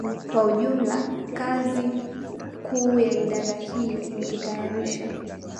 kwa ujumla Kazi kuu ya Idara hii ni kutayarisha